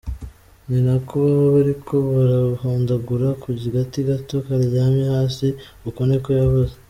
Ni nako baba bariko barahondagura ku gati gato karyamye hasi,” uko ni ko yavuze.